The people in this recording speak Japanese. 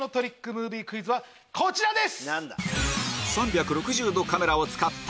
ムービークイズはこちらです！